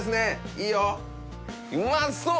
いいようまそう！